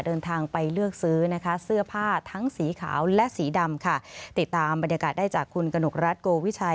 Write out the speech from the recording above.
เดินทางไปเลือกซื้อเสื้อผ้าทั้งสีขาวและสีดำค่ะ